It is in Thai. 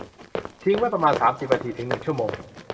ทิ้งไว้ประมาณ สามสิบ นาที ถึง หนึ่ง ชั่วโมง